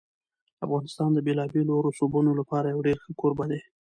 افغانستان د بېلابېلو رسوبونو لپاره یو ډېر ښه کوربه دی.